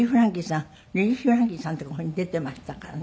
リリー・フランキーさんってこういうふうに出ていましたからね。